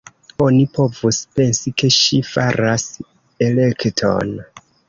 Oni povus pensi, ke ŝi faras elekton.